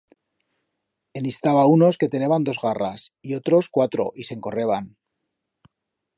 En i'staba unos que teneban dos garras, y otros, cuatro, y s'encorreban.